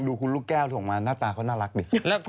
คุณลูกแก้วส่งมาหน้าตาเขาน่ารักดี